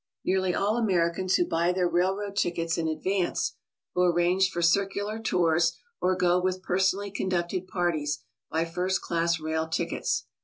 Nearly all Americans who buy their railroad tickets in advance, who arrange for circular tours or go with personally conducted parties, buy first class rail tickets.